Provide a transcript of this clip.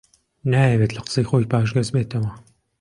نایەوێت لە قسەی خۆی پاشگەز ببێتەوە